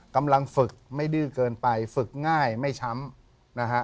กำลังฝึกไม่ดื้อเกินไปฝึกง่ายไม่ช้ำนะฮะ